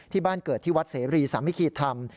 ที่บ้านเกิดที่วัดเสรีสามิคีธรรม